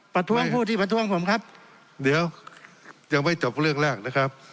ประท้วงผู้ที่ประท้วงผมครับเดี๋ยวยังไม่จบเรื่องแรกนะครับ